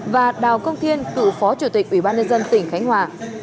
và đào công thiên cựu phó chủ tịch ủy ban nhân dân tỉnh khánh hòa